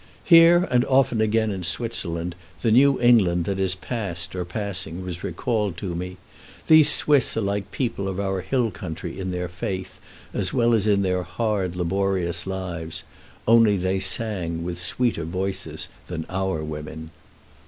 Here, and often again in Switzerland, the New England that is past or passing was recalled to me; these Swiss are like the people of our hill country in their faith, as well as their hard, laborious lives; only they sang with sweeter voices than our women.